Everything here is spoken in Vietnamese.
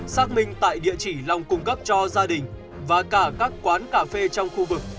xác minh tại địa chỉ long cung cấp cho gia đình và cả các quán cà phê trong khu vực